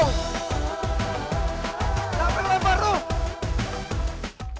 gapeng lebar lo